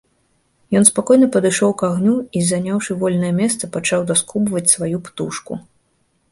Ён спакойна падышоў к агню і, заняўшы вольнае месца, пачаў даскубваць сваю птушку.